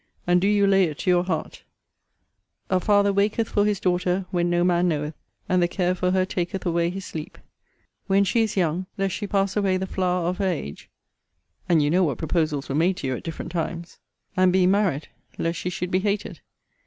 and do you lay it to your heart: 'A father waketh for his daughter, when no man knoweth; and the care for her taketh away his sleep When she is young, lest she pass away the flower of her age [and you know what proposals were made to you at different times.] And, being married, lest she should be hated.